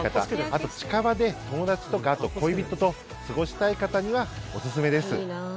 あと、近場で友だちとかあと恋人と過ごしたい方にはおすすめです。